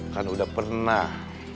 kan udah pernah